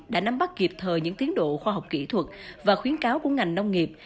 đã nắm bắt kịp thời những tiến độ khoa học kỹ thuật và khuyến cáo của ngành nông nghiệp